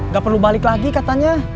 gak perlu balik lagi katanya